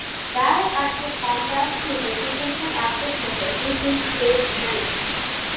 Direct access contrasts with the sequential access method used in tape drives.